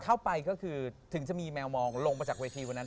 เข้าไปก็คือถึงจะมีแมวมองลงมาจากเวทีวันนั้น